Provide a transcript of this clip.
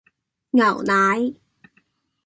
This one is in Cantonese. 牛奶